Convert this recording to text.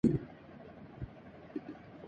کیا اسے بے نقاب کرنا جرم ہے؟